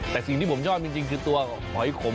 แต่สิ่งที่ผมชอบจริงคือตัวหอยขม